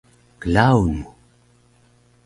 klaun mu